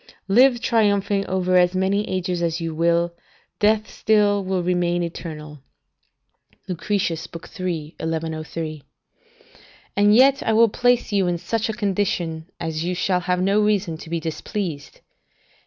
["Live triumphing over as many ages as you will, death still will remain eternal." Lucretius, iii. 1103] "And yet I will place you in such a condition as you shall have no reason to be displeased.